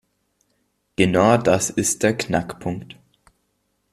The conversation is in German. Genau das ist der Knackpunkt.